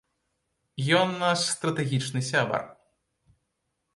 Ён наш стратэгічны сябар.